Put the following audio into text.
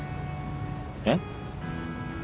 えっ？